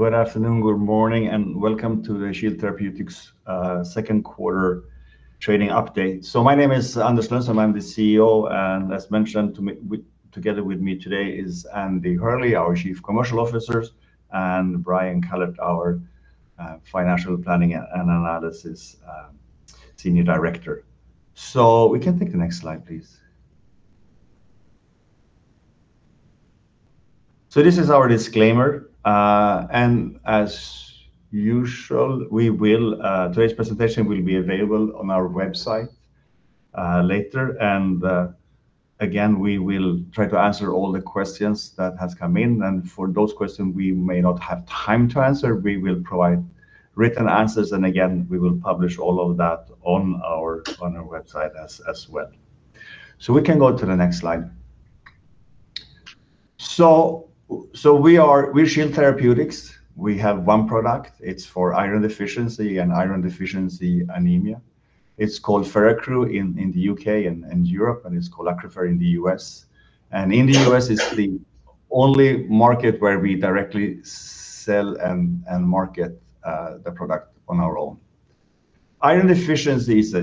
Good afternoon, good morning, and welcome to the Shield Therapeutics second quarter trading update. My name is Anders Lundstrom, I'm the CEO, and as mentioned, together with me today is Andy Hurley, our Chief Commercial Officer, and Bryon Kallert, our Financial Planning and Analysis Senior Director. We can take the next slide, please. This is our disclaimer. As usual, today's presentation will be available on our website later. Again, we will try to answer all the questions that have come in. For those questions we may not have time to answer, we will provide written answers. Again, we will publish all of that on our website as well. We can go to the next slide. We are Shield Therapeutics. We have one product. It's for iron deficiency and iron deficiency anemia. It's called Feraccru in the U.K. and Europe, and it's called ACCRUFeR in the U.S. In the U.S. it's the only market where we directly sell and market the product on our own. Iron deficiency is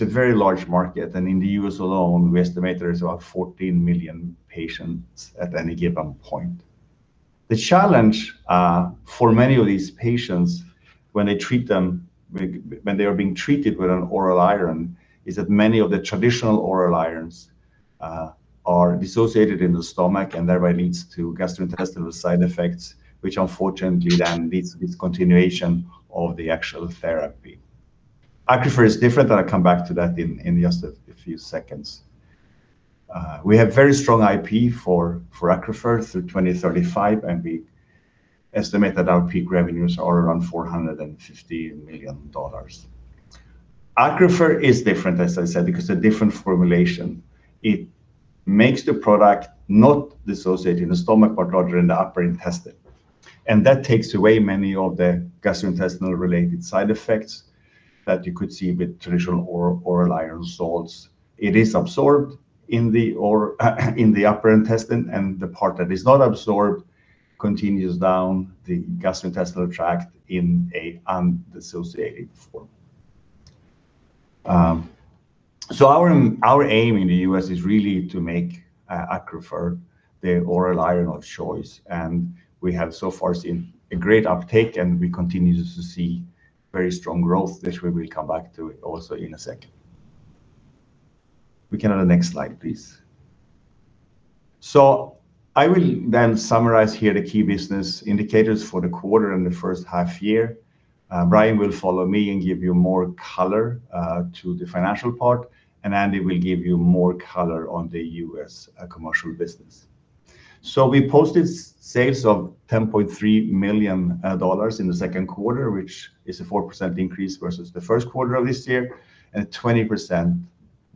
a very large market, and in the U.S. alone, we estimate there is about 14 million patients at any given point. The challenge for many of these patients when they are being treated with an oral iron is that many of the traditional oral irons are dissociated in the stomach and thereby leads to gastrointestinal side effects, which unfortunately then leads to discontinuation of the actual therapy. ACCRUFeR is different and I'll come back to that in just a few seconds. We have very strong IP for ACCRUFeR through 2035, and we estimate that our peak revenues are around $450 million. ACCRUFeR is different, as I said, because of a different formulation. It makes the product not dissociate in the stomach but rather in the upper intestine. That takes away many of the gastrointestinal related side effects that you could see with traditional oral iron salts. It is absorbed in the upper intestine and the part that is not absorbed continues down the gastrointestinal tract in an undissociated form. Our aim in the U.S. is really to make ACCRUFeR the oral iron of choice, and we have so far seen a great uptake and we continue to see very strong growth. This we will come back to also in a second. We can go to next slide, please. I will then summarize here the key business indicators for the quarter and the first half year. Bryon will follow me and give you more color to the financial part, and Andy will give you more color on the U.S. commercial business. We posted sales of $10.3 million in the second quarter, which is a 4% increase versus the first quarter of this year, and a 20%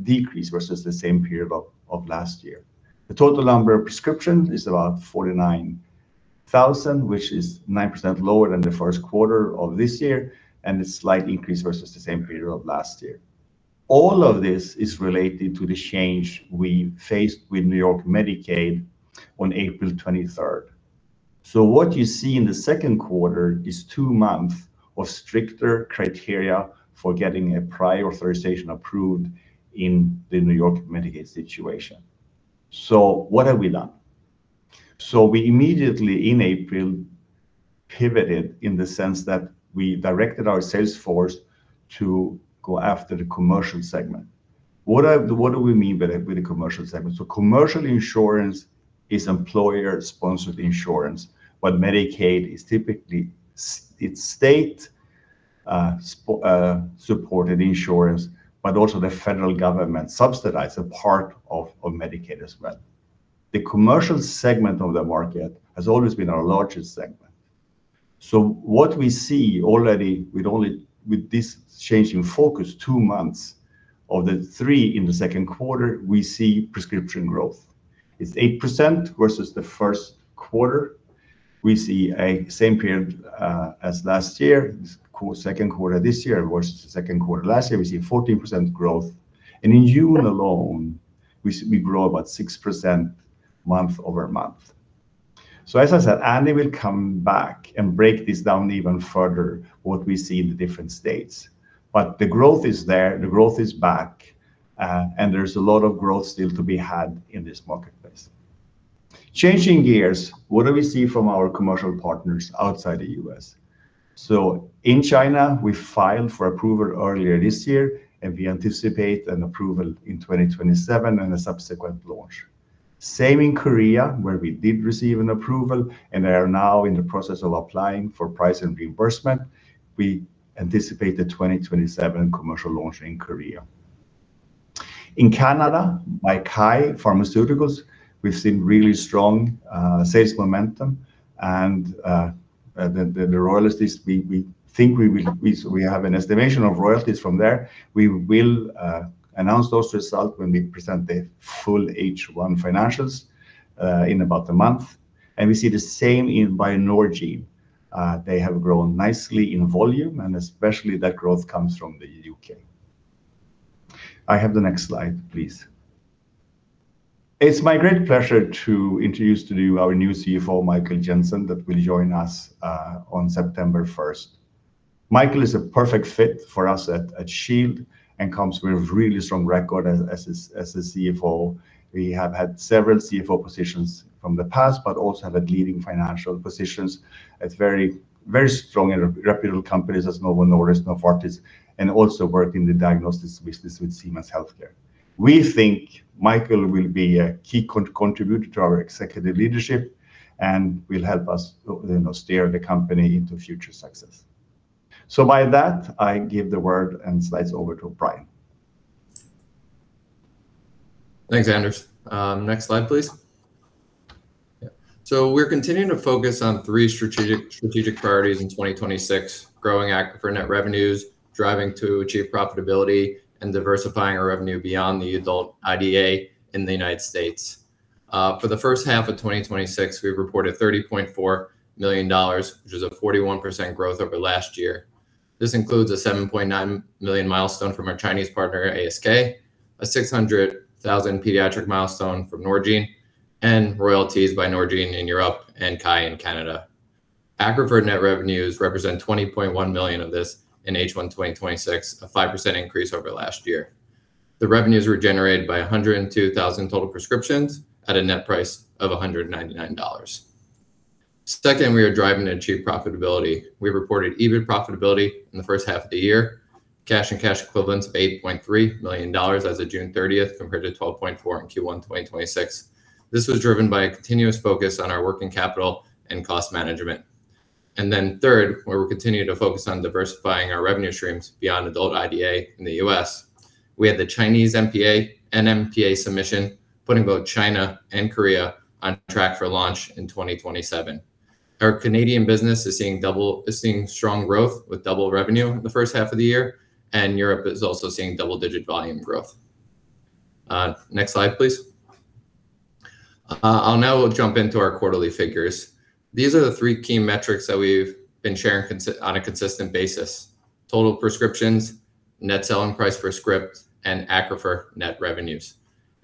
decrease versus the same period of last year. The total number of prescription is about 49,000, which is 9% lower than the first quarter of this year, and a slight increase versus the same period of last year. All of this is related to the change we faced with New York Medicaid on April 23rd. What you see in the second quarter is two months of stricter criteria for getting a prior authorization approved in the New York Medicaid situation. What have we done? We immediately in April pivoted in the sense that we directed our sales force to go after the commercial segment. What do we mean by the commercial segment? Commercial insurance is employer-sponsored insurance, but Medicaid is typically state-supported insurance, but also the federal government subsidizes a part of Medicaid as well. The commercial segment of the market has always been our largest segment. What we see already with this change in focus two months of the three in the second quarter, we see prescription growth. It's 8% versus the first quarter. We see a same period as last year, second quarter this year versus second quarter last year, we see 14% growth. In June alone, we grow about 6% month-over-month. As I said, Andy will come back and break this down even further, what we see in the different states. The growth is there, the growth is back, and there's a lot of growth still to be had in this marketplace. Changing gears, what do we see from our commercial partners outside the U.S.? In China, we filed for approval earlier this year, and we anticipate an approval in 2027 and a subsequent launch. Same in Korea, where we did receive an approval and are now in the process of applying for price and reimbursement. We anticipate the 2027 commercial launch in Korea. In Canada, by KYE Pharmaceuticals, we've seen really strong sales momentum and the royalties, we have an estimation of royalties from there. We will announce those results when we present the full H1 financials in about a month. We see the same in [Bionorica]. They have grown nicely in volume, and especially that growth comes from the U.K. I have the next slide, please. It's my great pleasure to introduce to you our new CFO, Michael Jensen, that will join us on September 1st. Michael is a perfect fit for us at Shield and comes with a really strong record as a CFO. We have had several CFO positions from the past, but also have had leading financial positions at very strong and reputable companies as Novo Nordisk, Novartis, and also work in the diagnostics business with Siemens Healthineers. We think Michael will be a key contributor to our executive leadership and will help us steer the company into future success. By that, I give the word and slides over to Bryon. Thanks, Anders. Next slide, please. We are continuing to focus on three strategic priorities in 2026: growing ACCRUFeR net revenues, driving to achieve profitability, and diversifying our revenue beyond the adult IDA in the United States. For the first half of 2026, we reported $30.4 million, which is a 41% growth over last year. This includes a $7.9 million milestone from our Chinese partner, ASK, a $600,000 pediatric milestone from Norgine, and royalties by Norgine in Europe and KYE in Canada. ACCRUFeR net revenues represent $20.1 million of this in H1 2026, a 5% increase over last year. The revenues were generated by 102,000 total prescriptions at a net price of $199. Second, we are driving to achieve profitability. We reported EBIT profitability in the first half of the year, cash and cash equivalents of $8.3 million as of June 30th, compared to $12.4 million in Q1 2026. This was driven by a continuous focus on our working capital and cost management. Then third, where we're continuing to focus on diversifying our revenue streams beyond adult IDA in the U.S. We had the Chinese NMPA submission, putting both China and Korea on track for launch in 2027. Our Canadian business is seeing strong growth with double revenue in the first half of the year, and Europe is also seeing double-digit volume growth. Next slide, please. I'll now jump into our quarterly figures. These are the three key metrics that we've been sharing on a consistent basis. Total prescriptions, net selling price per script, and ACCRUFeR net revenues.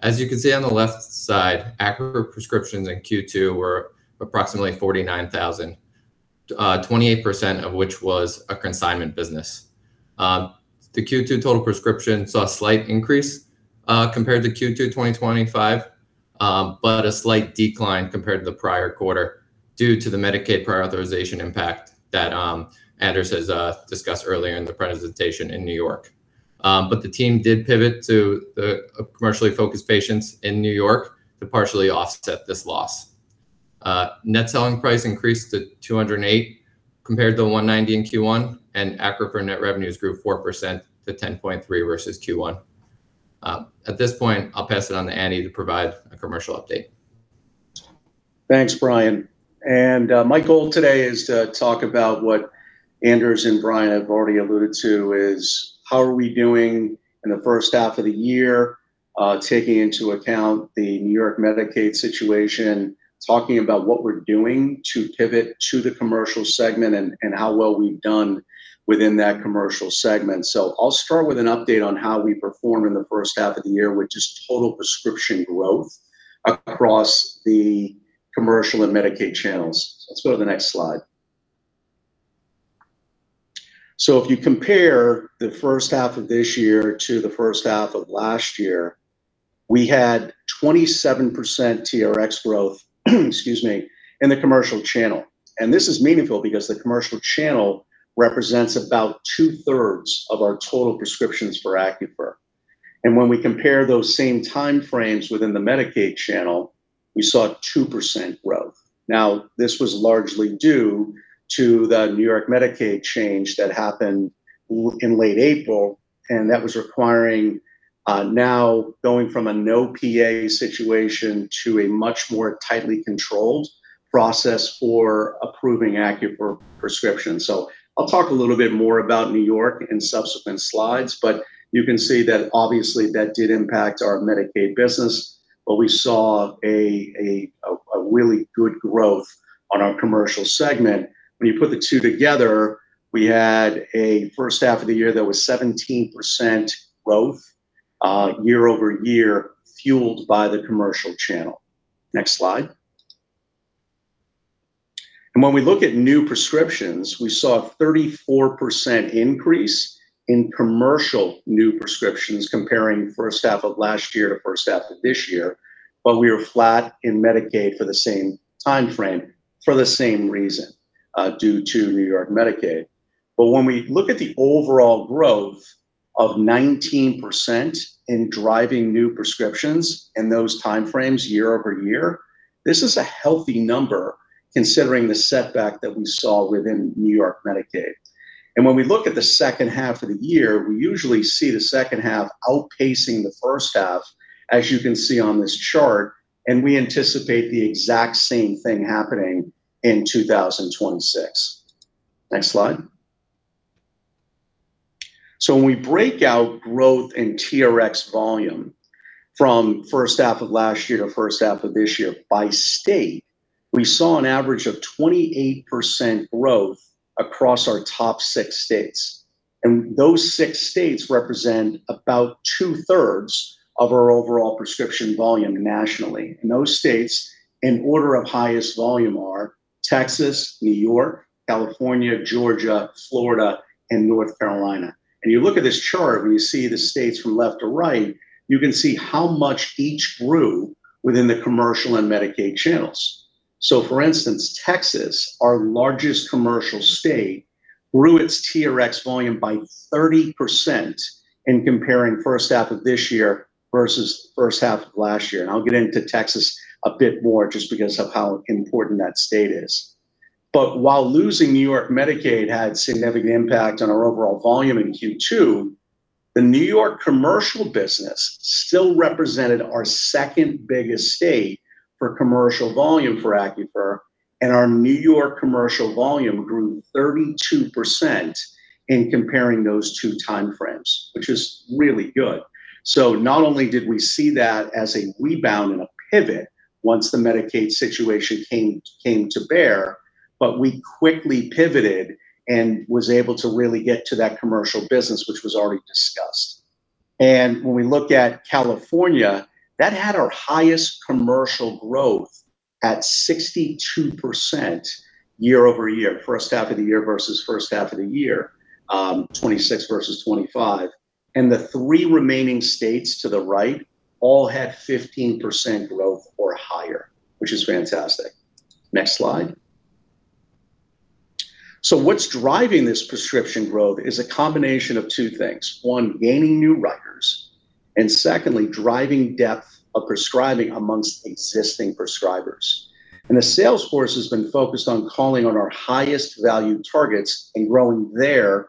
As you can see on the left side, ACCRUFeR prescriptions in Q2 were approximately 49,000, 28% of which was a consignment business. The Q2 total prescriptions saw a slight increase compared to Q2 2025. But a slight decline compared to the prior quarter due to the Medicaid prior authorization impact that Anders has discussed earlier in the presentation in New York. The team did pivot to the commercially focused patients in New York to partially offset this loss. Net selling price increased to $208 compared to $190 in Q1. ACCRUFeR net revenues grew 4% to $10.3 million versus Q1. At this point, I'll pass it on to Andy to provide a commercial update. Thanks, Bryon. My goal today is to talk about what Anders and Bryon have already alluded to, is how are we doing in the first half of the year, taking into account the New York Medicaid situation, talking about what we're doing to pivot to the commercial segment, and how well we've done within that commercial segment. I'll start with an update on how we performed in the first half of the year, which is total prescription growth across the commercial and Medicaid channels. Let's go to the next slide. If you compare the first half of this year to the first half of last year, we had 27% TRx growth in the commercial channel. This is meaningful because the commercial channel represents about two-thirds of our total prescriptions for ACCRUFeR. When we compare those same time frames within the Medicaid channel, we saw 2% growth. Now, this was largely due to the New York Medicaid change that happened in late April, and that was requiring now going from a no PA situation to a much more tightly controlled process for approving ACCRUFeR prescriptions. I'll talk a little bit more about New York in subsequent slides, but you can see that obviously that did impact our Medicaid business. We saw a really good growth on our commercial segment. When you put the two together, we had a first half of the year that was 17% growth year-over-year, fueled by the commercial channel. Next slide. When we look at new prescriptions, we saw a 34% increase in commercial new prescriptions comparing first half of last year to first half of this year, but we were flat in Medicaid for the same time frame for the same reason, due to New York Medicaid. When we look at the overall growth of 19% in driving new prescriptions in those time frames year-over-year, this is a healthy number considering the setback that we saw within New York Medicaid. When we look at the second half of the year, we usually see the second half outpacing the first half, as you can see on this chart, and we anticipate the exact same thing happening in 2026. Next slide. When we break out growth in TRx volume from first half of last year to first half of this year by state, we saw an average of 28% growth across our top six states, and those six states represent about two-thirds of our overall prescription volume nationally. Those states in order of highest volume are Texas, New York, California, Georgia, Florida, and North Carolina. You look at this chart and you see the states from left to right, you can see how much each grew within the commercial and Medicaid channels. For instance, Texas, our largest commercial state, grew its TRx volume by 30% in comparing first half of this year versus first half of last year. I'll get into Texas a bit more just because of how important that state is. While losing New York Medicaid had significant impact on our overall volume in Q2, the New York commercial business still represented our second biggest state for commercial volume for ACCRUFeR, and our New York commercial volume grew 32% in comparing those two time frames, which is really good. Not only did we see that as a rebound and a pivot once the Medicaid situation came to bear, but we quickly pivoted and was able to really get to that commercial business, which was already discussed. When we look at California, that had our highest commercial growth at 62% year-over-year, first half of the year versus first half of the year, 2026 versus 2025. The three remaining states to the right all had 15% growth or higher, which is fantastic. Next slide. What's driving this prescription growth is a combination of two things. One, gaining new writers, and secondly, driving depth of prescribing amongst existing prescribers. The sales force has been focused on calling on our highest value targets and growing their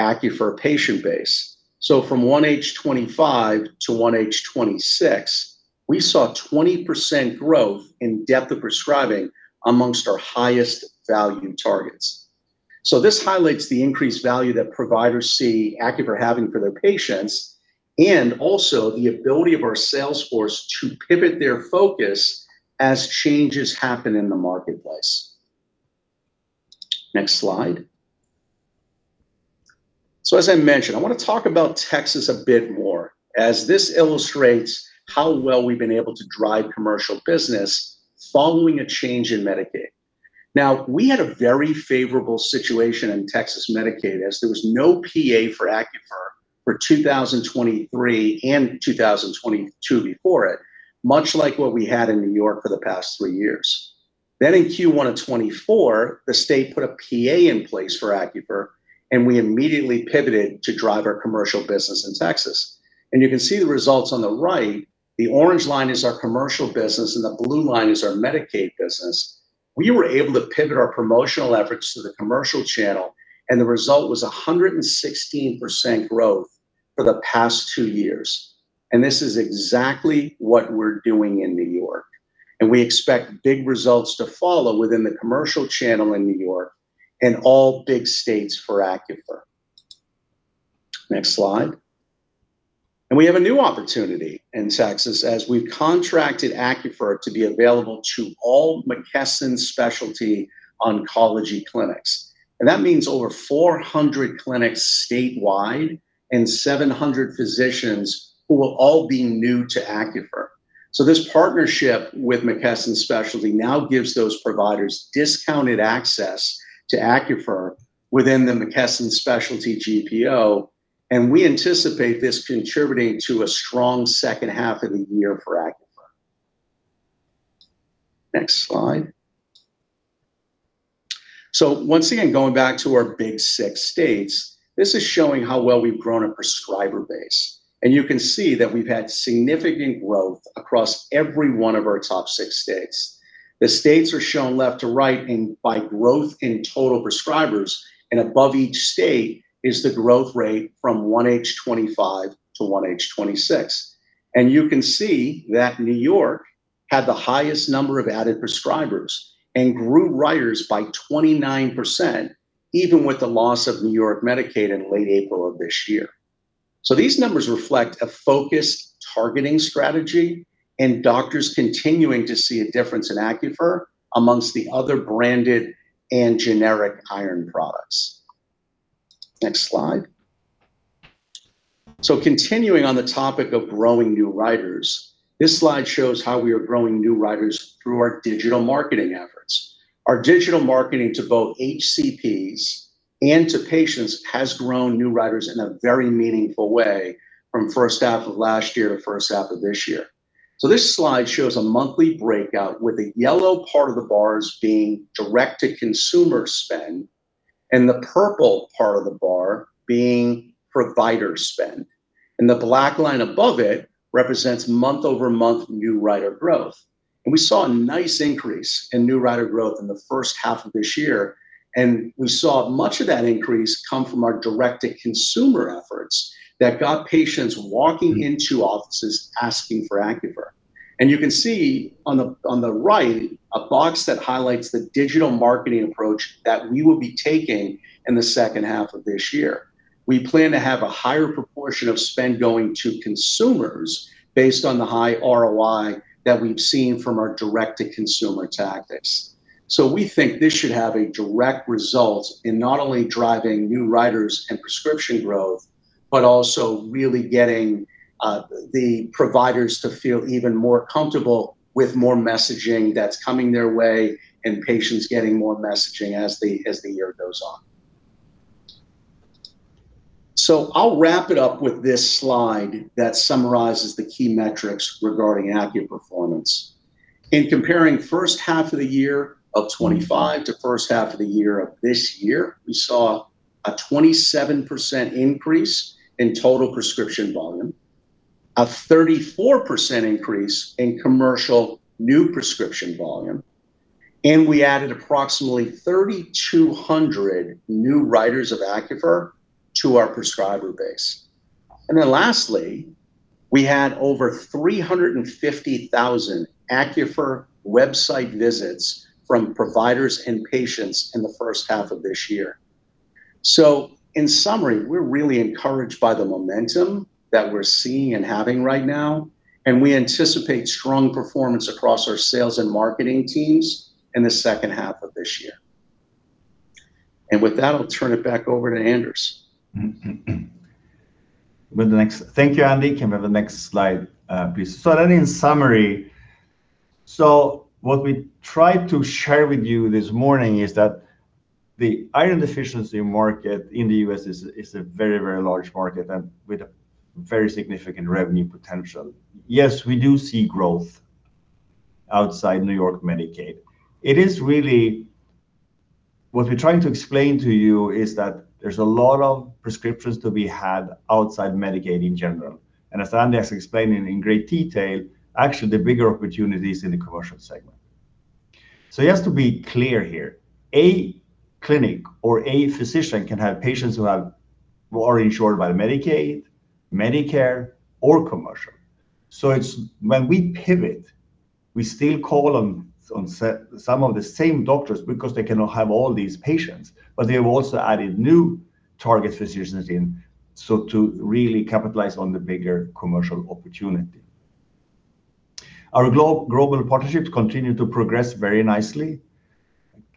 ACCRUFeR patient base. From 1H 2025 to 1H 2026, we saw 20% growth in depth of prescribing amongst our highest value targets. This highlights the increased value that providers see ACCRUFeR having for their patients, and also the ability of our sales force to pivot their focus as changes happen in the marketplace. Next slide. As I mentioned, I want to talk about Texas a bit more, as this illustrates how well we've been able to drive commercial business following a change in Medicaid. Now, we had a very favorable situation in Texas Medicaid as there was no PA for ACCRUFeR for 2023 and 2022 before it, much like what we had in New York for the past three years. Then in Q1 of 2024, the state put a PA in place for ACCRUFeR, and we immediately pivoted to drive our commercial business in Texas. You can see the results on the right. The orange line is our commercial business, and the blue line is our Medicaid business. We were able to pivot our promotional efforts to the commercial channel, and the result was 116% growth for the past two years. This is exactly what we're doing in New York, and we expect big results to follow within the commercial channel in New York and all big states for ACCRUFeR. Next slide. We have a new opportunity in Texas as we've contracted ACCRUFeR to be available to all McKesson Specialty Oncology clinics. That means over 400 clinics statewide and 700 physicians who will all be new to ACCRUFeR. This partnership with McKesson Specialty now gives those providers discounted access to ACCRUFeR within the McKesson Specialty GPO, and we anticipate this contributing to a strong second half of the year for ACCRUFeR. Next slide. Once again, going back to our big six states, this is showing how well we've grown a prescriber base. You can see that we've had significant growth across every one of our top six states. The states are shown left to right by growth in total prescribers, and above each state is the growth rate from 1H 2025 to 1H 2026. You can see that New York had the highest number of added prescribers and grew writers by 29%, even with the loss of New York Medicaid in late April of this year. These numbers reflect a focused targeting strategy and doctors continuing to see a difference in ACCRUFeR amongst the other branded and generic iron products. Next slide. Continuing on the topic of growing new writers, this slide shows how we are growing new writers through our digital marketing efforts. Our digital marketing to both HCPs and to patients has grown new writers in a very meaningful way from first half of last year to first half of this year. This slide shows a monthly breakout with the yellow part of the bars being direct-to-consumer spend and the purple part of the bar being provider spend, and the black line above it represents month-over-month new writer growth. We saw a nice increase in new writer growth in the first half of this year, and we saw much of that increase come from our direct-to-consumer efforts that got patients walking into offices asking for ACCRUFeR. You can see on the right a box that highlights the digital marketing approach that we will be taking in the second half of this year. We plan to have a higher proportion of spend going to consumers based on the high ROI that we've seen from our direct-to-consumer tactics. We think this should have a direct result in not only driving new writers and prescription growth, but also really getting the providers to feel even more comfortable with more messaging that's coming their way, and patients getting more messaging as the year goes on. I'll wrap it up with this slide that summarizes the key metrics regarding ACCRUFeR performance. In comparing the first half of 2025 to the first half of this year, we saw a 27% increase in total prescription volume, a 34% increase in commercial new prescription volume, and we added approximately 3,200 new writers of ACCRUFeR to our prescriber base. Lastly, we had over 350,000 ACCRUFeR website visits from providers and patients in the first half of this year. In summary, we're really encouraged by the momentum that we're seeing and having right now, and we anticipate strong performance across our sales and marketing teams in the second half of this year. With that, I'll turn it back over to Anders. Thank you, Andy. Can we have the next slide, please? In summary, what we tried to share with you this morning is that the iron deficiency market in the U.S. is a very, very large market and with a very significant revenue potential. Yes, we do see growth outside New York Medicaid. What we're trying to explain to you is that there's a lot of prescriptions to be had outside Medicaid in general, and as Andy has explained in great detail, actually the bigger opportunity is in the commercial segment. Just to be clear here, a clinic or a physician can have patients who are insured by Medicaid, Medicare, or commercial. When we pivot, we still call on some of the same doctors because they cannot have all these patients, but they have also added new target physicians in, to really capitalize on the bigger commercial opportunity. Our global partnerships continue to progress very nicely.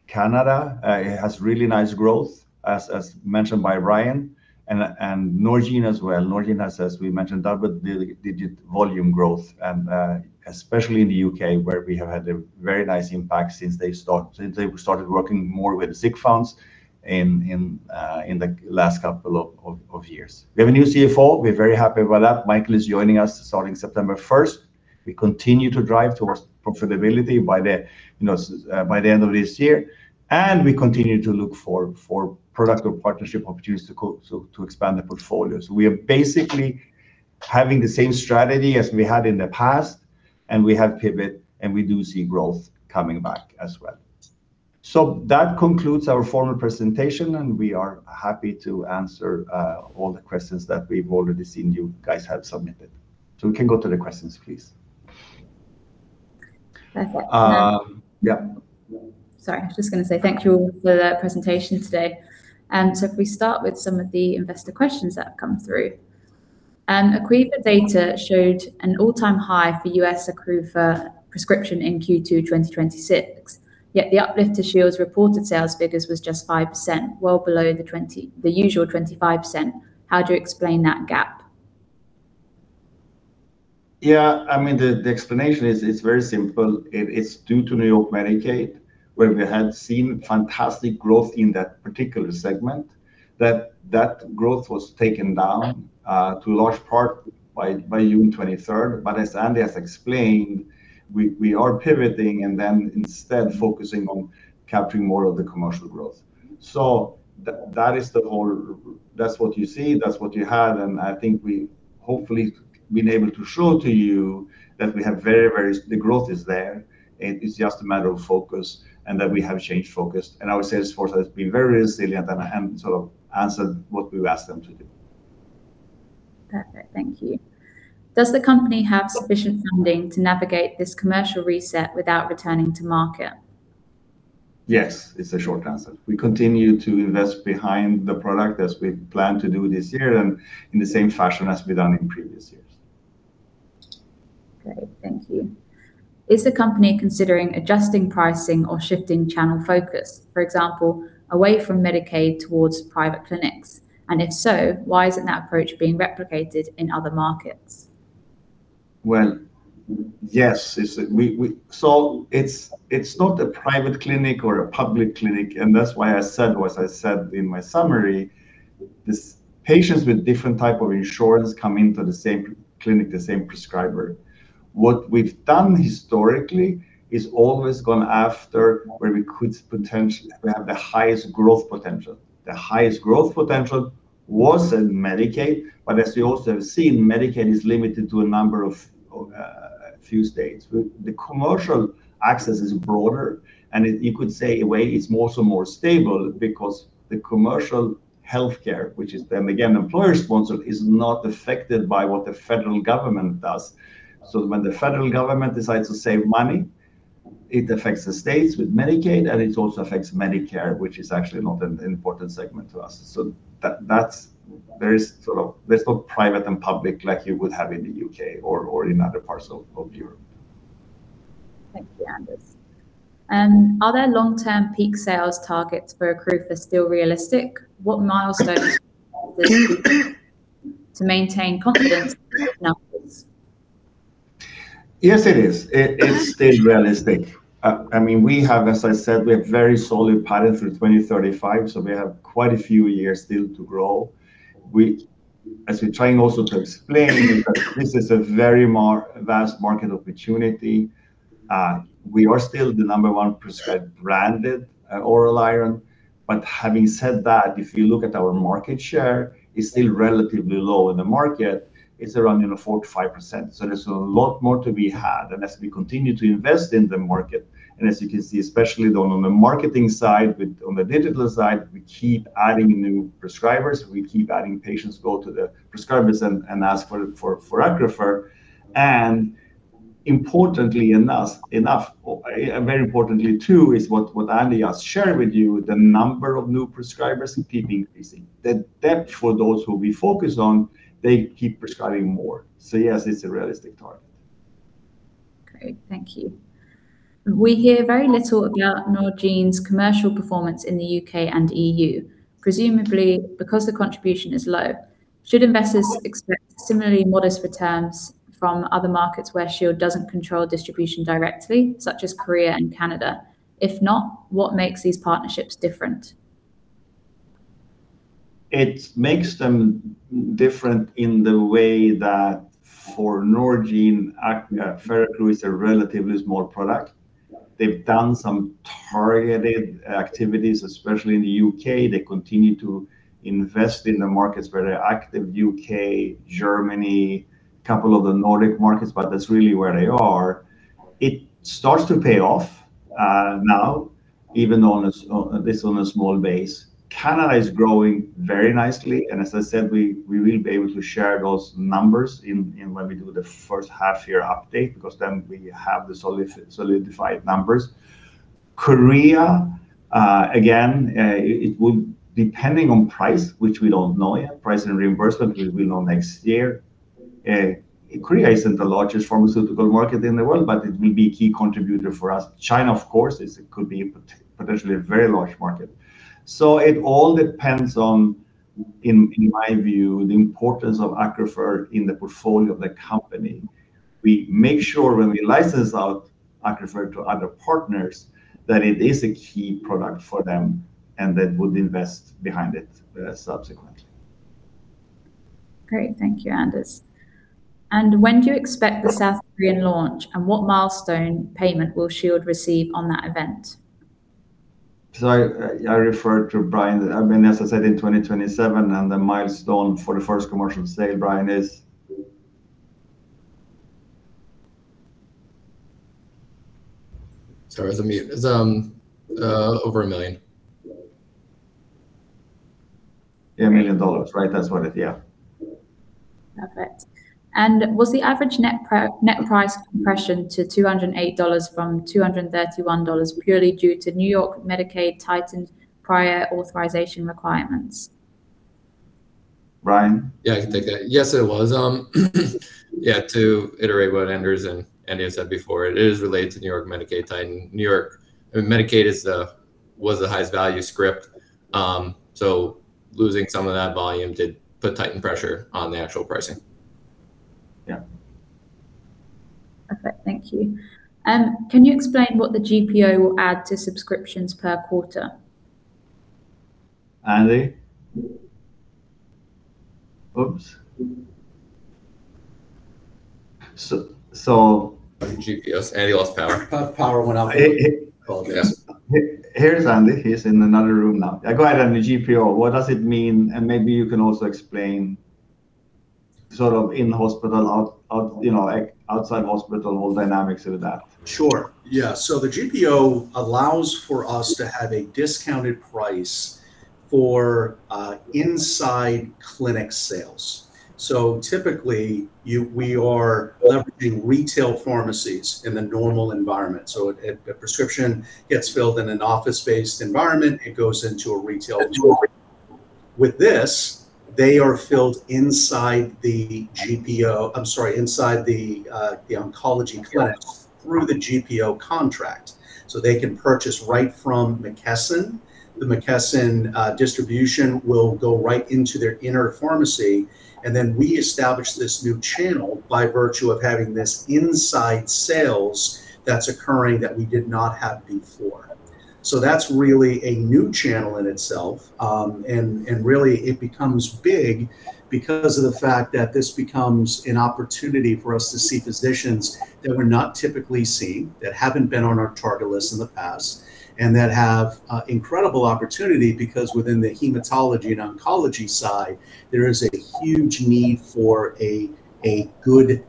Canada has really nice growth, as mentioned by Bryon, and Norgine as well. Norgine has, as we mentioned, double-digit volume growth, and especially in the U.K., where we have had a very nice impact since they started working more with [Zikfunds] in the last couple of years. We have a new CFO. We're very happy about that. Michael is joining us starting September 1st. We continue to drive towards profitability by the end of this year, and we continue to look for productive partnership opportunities to expand the portfolio. We are basically having the same strategy as we had in the past. We have pivot, and we do see growth coming back as well. That concludes our formal presentation. We are happy to answer all the questions that we've already seen you guys have submitted. We can go to the questions, please. Perfect. Yeah. Sorry, I'm just going to say thank you all for the presentation today. If we start with some of the investor questions that have come through. An IQVIA data showed an all-time high for U.S. ACCRUFeR prescription in Q2 2026, yet the uplift to Shield's reported sales figures was just 5%, well below the usual 25%. How do you explain that gap? Yeah. The explanation is very simple. It's due to New York Medicaid, where we had seen fantastic growth in that particular segment, that that growth was taken down to a large part by June 23rd. As Andy has explained, we are pivoting, instead focusing on capturing more of the commercial growth. That's what you see, that's what you had. I think we've hopefully been able to show to you that the growth is there, it's just a matter of focus. That we have changed focus, our sales force has been very resilient and have answered what we've asked them to do. Perfect. Thank you. Does the company have sufficient funding to navigate this commercial reset without returning to market? Yes. It's a short answer. We continue to invest behind the product as we plan to do this year and in the same fashion as we've done in previous years. Great. Thank you. Is the company considering adjusting pricing or shifting channel focus, for example, away from Medicaid towards private clinics? If so, why isn't that approach being replicated in other markets? Well, yes. It's not a private clinic or a public clinic, and that's why I said what I said in my summary, these patients with different type of insurance come into the same clinic, the same prescriber. What we've done historically is always gone after where we have the highest growth potential. The highest growth potential was in Medicaid. As we also have seen, Medicaid is limited to a number of a few states. The commercial access is broader, and you could say in a way it's also more stable because the commercial healthcare, which is then again, employer-sponsored, is not affected by what the federal government does. When the federal government decides to save money It affects the states with Medicaid, and it also affects Medicare, which is actually not an important segment to us. There's no private and public like you would have in the U.K. or in other parts of Europe. Thank you, Anders. Are there long-term peak sales targets for ACCRUFeR still realistic? What milestones to maintain confidence in numbers? Yes, it is. It's still realistic. We have, as I said, we have very solid pattern through 2035, so we have quite a few years still to grow. As we're trying also to explain, this is a very vast market opportunity. We are still the number one prescribed branded oral iron. Having said that, if you look at our market share, it's still relatively low in the market. It's around 4%-5%. There's a lot more to be had. As we continue to invest in the market, as you can see, especially on the marketing side, on the digital side, we keep adding new prescribers. We keep adding patients go to the prescribers and ask for ACCRUFeR. Very importantly, too, is what Andy has shared with you, the number of new prescribers keep increasing. The depth for those who we focused on, they keep prescribing more. Yes, it's a realistic target. Great. Thank you. We hear very little about Norgine's commercial performance in the U.K. and E.U., presumably because the contribution is low. Should investors expect similarly modest returns from other markets where Shield doesn't control distribution directly, such as Korea and Canada? If not, what makes these partnerships different? It makes them different in the way that for Norgine, ACCRUFeR is a relatively small product. They've done some targeted activities, especially in the U.K. They continue to invest in the markets where they are active, U.K., Germany, couple of the Nordic markets, but that is really where they are. It starts to pay off now, even though this is on a small base. Canada is growing very nicely, as I said, we will be able to share those numbers when we do the first half-year update, because then we have the solidified numbers. Korea, again, it would, depending on price, which we do not know yet, price and reimbursement, which we will know next year. Korea is not the largest pharmaceutical market in the world, but it will be a key contributor for us. China, of course, could be potentially a very large market. It all depends on, in my view, the importance of ACCRUFeR in the portfolio of the company. We make sure when we license out ACCRUFeR to other partners, that it is a key product for them and that would invest behind it subsequently. Great. Thank you, Anders. When do you expect the South Korean launch, and what milestone payment will Shield receive on that event? I referred to Bryon. As I said, in 2027, the milestone for the first commercial sale, Bryon, is? Sorry, I was on mute. Over $1 million. $1 million, right? That's what it. Yeah. Perfect. Was the average net price compression to $208 from $231 purely due to New York Medicaid tightened prior authorization requirements? Bryon? Yeah, I can take that. Yes, it was. Yeah, to iterate what Anders and Andy have said before, it is related to New York Medicaid tighten. New York Medicaid was the highest value script, so losing some of that volume did put tightened pressure on the actual pricing. Yeah. Perfect. Thank you. Can you explain what the GPO will add to subscriptions per quarter? Andy? Oops. I think Andy lost power. Power went out. Here's Andy. He's in another room now. Go ahead, Andy. GPO, what does it mean? Maybe you can also explain sort of in-hospital, outside hospital, whole dynamics of that. Sure. Yeah. The GPO allows for us to have a discounted price for inside clinic sales. Typically, we are leveraging retail pharmacies in the normal environment. A prescription gets filled in an office-based environment, it goes into a retail door. With this, they are filled inside the GPO, I'm sorry, inside the oncology clinic through the GPO contract. They can purchase right from McKesson. The McKesson distribution will go right into their inner pharmacy. Then we establish this new channel by virtue of having this inside sales that's occurring that we did not have before. That's really a new channel in itself. Really it becomes big because of the fact that this becomes an opportunity for us to see physicians that we're not typically seeing, that haven't been on our target list in the past, and that have incredible opportunity because within the hematology and oncology side, there is a huge need for a good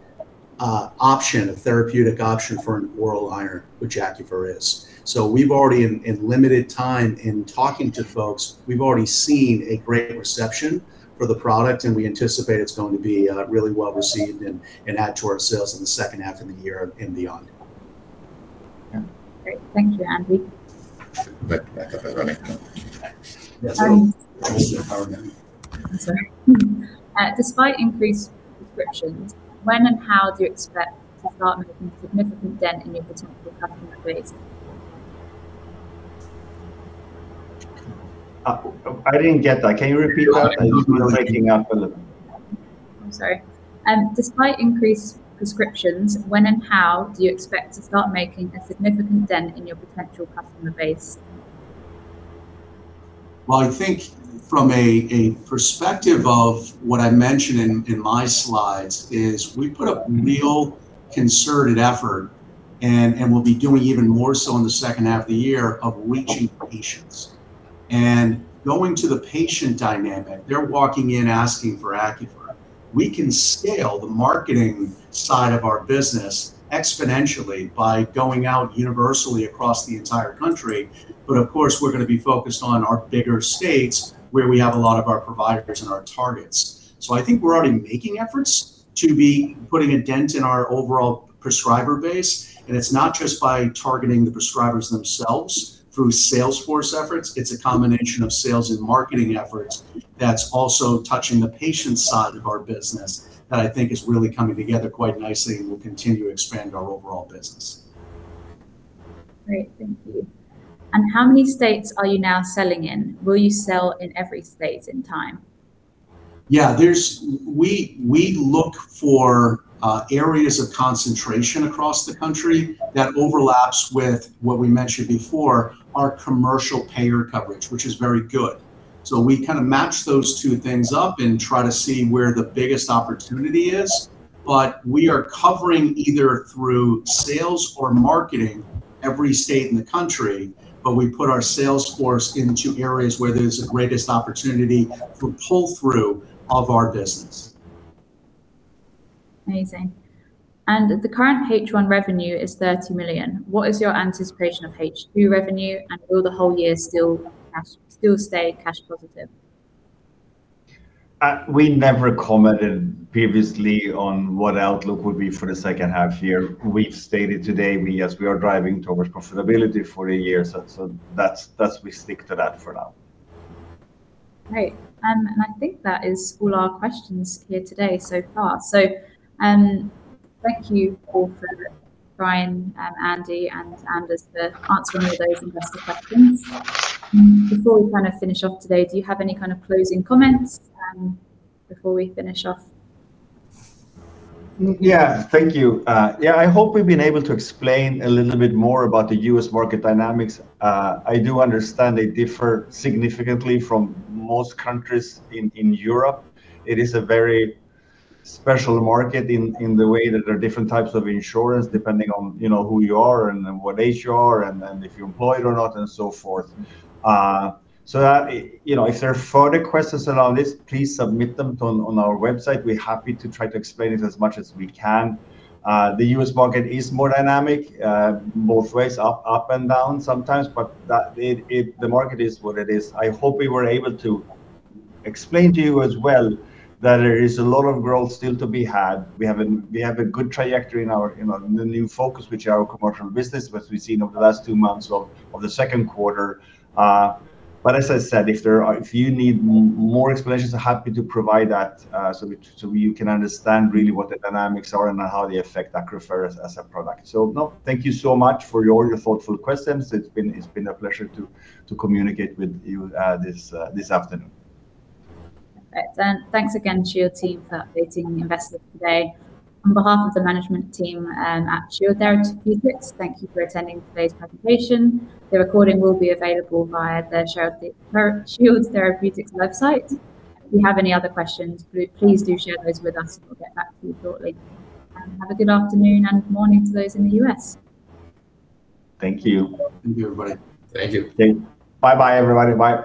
option, a therapeutic option for an oral iron, which ACCRUFeR is. We've already, in limited time in talking to folks, we've already seen a great reception for the product. We anticipate it's going to be really well-received and add to our sales in the second half of the year and beyond. Great. Thank you, Andy. Back up and running. Sorry. Despite increased prescriptions, when and how do you expect to start making a significant dent in your potential customer base? I didn't get that. Can you repeat that? You're breaking up a little. I'm sorry. Despite increased prescriptions, when and how do you expect to start making a significant dent in your potential customer base? Well, I think from a perspective of what I mentioned in my slides is we put a real concerted effort, and we'll be doing even more so in the second half of the year, of reaching patients. Going to the patient dynamic, they're walking in asking for ACCRUFeR. We can scale the marketing side of our business exponentially by going out universally across the entire country. We're going to be focused on our bigger states where we have a lot of our providers and our targets. I think we're already making efforts to be putting a dent in our overall prescriber base. It's not just by targeting the prescribers themselves through sales force efforts, it's a combination of sales and marketing efforts that's also touching the patient side of our business that I think is really coming together quite nicely and will continue to expand our overall business. Great. Thank you. How many states are you now selling in? Will you sell in every state in time? Yeah. We look for areas of concentration across the country that overlaps with what we mentioned before, our commercial payer coverage, which is very good. We match those two things up and try to see where the biggest opportunity is. We are covering, either through sales or marketing, every state in the country, but we put our sales force into areas where there's the greatest opportunity for pull-through of our business. Amazing. The current H1 revenue is $30 million. What is your anticipation of H2 revenue, and will the whole year still stay cash positive? We never commented previously on what outlook would be for the second half year. We've stated today, yes, we are driving towards profitability for the year. We stick to that for now. Great. I think that is all our questions here today so far. Thank you all, Bryon, Andy, and Anders for answering all those investor questions. Before we finish off today, do you have any closing comments before we finish off? Yeah. Thank you. Yeah, I hope we've been able to explain a little bit more about the U.S. market dynamics. I do understand they differ significantly from most countries in Europe. It is a very special market in the way that there are different types of insurance depending on who you are and what age you are and if you're employed or not and so forth. If there are further questions around this, please submit them on our website. We're happy to try to explain it as much as we can. The U.S. market is more dynamic both ways, up and down sometimes, but the market is what it is. I hope we were able to explain to you as well that there is a lot of growth still to be had. We have a good trajectory in our new focus, which are our commercial business, which we've seen over the last two months of the second quarter. As I said, if you need more explanations, I'm happy to provide that so you can understand really what the dynamics are and how they affect ACCRUFeR as a product. Thank you so much for all your thoughtful questions. It's been a pleasure to communicate with you this afternoon. Thanks again to your team for updating investors today. On behalf of the management team at Shield Therapeutics, thank you for attending today's presentation. The recording will be available via the Shield Therapeutics website. If you have any other questions, please do share those with us and we'll get back to you shortly. Have a good afternoon, and good morning to those in the U.S. Thank you. Thank you, everybody. Thank you. Bye bye everybody. Bye.